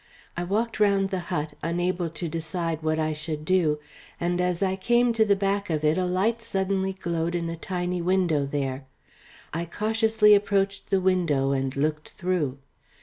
I walked round the hut unable to decide what I should do, and as I came to the back of it a light suddenly glowed in a tiny window there. I cautiously approached the window and looked through.